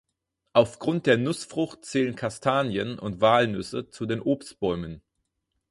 Aufgrund der Nussfrucht zählen Kastanien und Walnüsse zu den Obstbäumen.